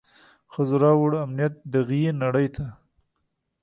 ښځو راووړ امنيت دغي نړۍ ته.